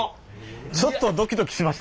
ちょっとドキドキしましたけど。